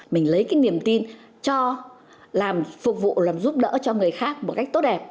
mình lấy cái niềm tin cho làm phục vụ làm giúp đỡ cho người khác một cách tốt đẹp